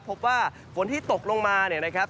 พบว่าฝนที่ตกลงมานะครับ